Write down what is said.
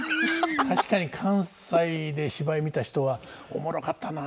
確かに関西で芝居見た人は「おもろかったな。